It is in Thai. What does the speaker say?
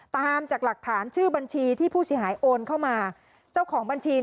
ตามจากหลักฐานชื่อบัญชีที่ผู้เสียหายโอนเข้ามา